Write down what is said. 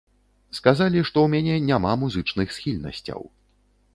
Сказалі, што ў мяне няма музычных схільнасцяў.